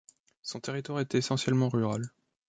Son territoire est essentiellement rural.